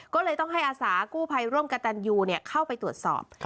ก็เลยต้องให้อาสากู้ภัยร่วมกับตันยูเข้าไปตรวจสอบ